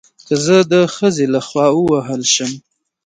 که زه د خځې له خوا ووهل شم